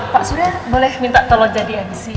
pak surya boleh minta tolong jadi ic